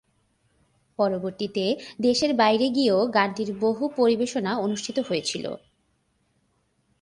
পরবর্তীতে দেশের বাইরেও গানটির বহু পরিবেশনা অনুষ্ঠিত হয়েছিল।